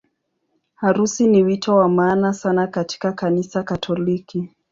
Harusi ni wito wa maana sana katika Kanisa Katoliki.